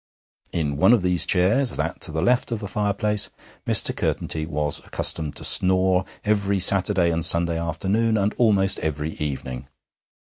In one of these chairs, that to the left of the fireplace, Mr. Curtenty was accustomed to snore every Saturday and Sunday afternoon, and almost every evening.